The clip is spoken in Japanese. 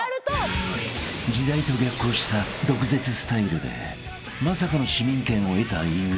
［時代と逆行した毒舌スタイルでまさかの市民権を得た井口］